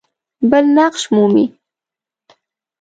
بل نقش مومي.